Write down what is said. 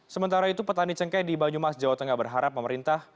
sementara itu petani cengkeh di banyumas jawa tengah berharap pemerintah